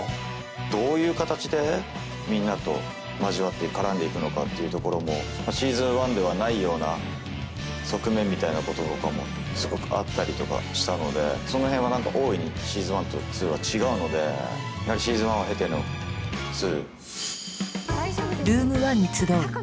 どういう形でみんなと交わって絡んでいくのかっていうところも「Ｓｅａｓｏｎ１」ではないような側面みたいなこととかもすごくあったりとかしたのでその辺は何か大いに「Ｓｅａｓｏｎ１」と「２」は違うのでやはり「Ｓｅａｓｏｎ１」を経ての「２」。